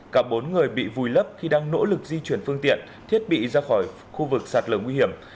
cả bốn người bị vùi lấp khi đang nỗ lực di chuyển phương tiện thiết bị ra khỏi khu vực sạt lở nguy hiểm